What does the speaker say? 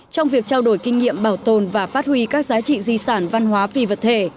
trong việc trao đổi kinh nghiệm bảo tồn và phát huy các giá trị di sản văn hóa phi vật thể